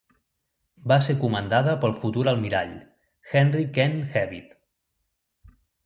Va ser comandada pel futur almirall, Henry Kent Hewitt.